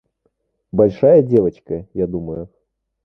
Большая девочка, я думаю?